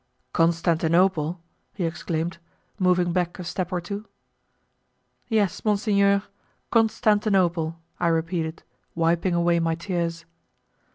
"Constantinople!" he exclaimed, moving back a step or two. "Yes, monsignor, Constantinople," I repeated, wiping away my tears.